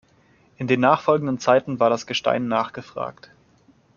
In den nachfolgenden Zeiten war das Gestein nachgefragt.